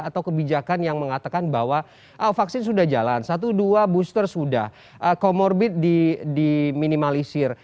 atau kebijakan yang mengatakan bahwa vaksin sudah jalan satu dua booster sudah comorbid diminimalisir